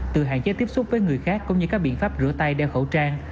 từ hạn chế tiếp xúc với người khác cũng như các biện pháp rửa tay đeo khẩu trang